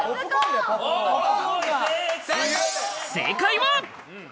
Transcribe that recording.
正解は。